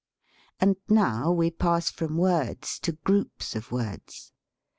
And now we pass from words to groups of words.